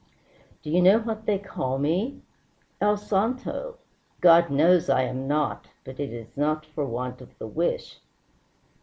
Do you know what they call me? El santo. God knows I am not, but it is not for want of the wish.